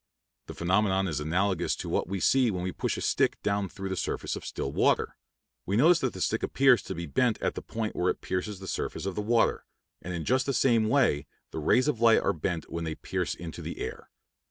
The phenomenon is analogous to what we see when we push a stick down through the surface of still water; we notice that the stick appears to be bent at the point where it pierces the surface of the water; and in just the same way the rays of light are bent when they pierce into the air.